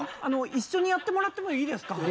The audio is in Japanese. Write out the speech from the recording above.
一緒にやってもらっていいですかね。